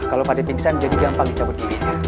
kalau pak d pingsan jadi gampang dicabut gini